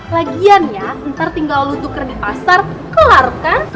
lagian ya ntar tinggal lu tukar di pasar kelar kah